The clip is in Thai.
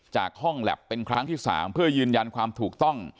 จากห้องแล็บเป็นครั้งที่๓เพื่อยืนยันความถูกต้อง